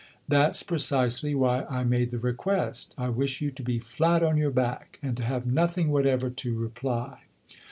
" That's precisely why I made the request. I wish you to be flat on your back and to have nothing whatever to reply."